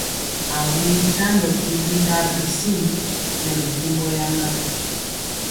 A wuli ntandɔ to windaa bisim nɛ mɛkembɔ yaŋga.